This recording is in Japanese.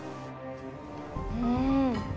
うん！